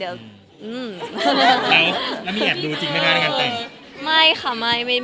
แล้วไม่แอบดูจริงในห้างการแต่ง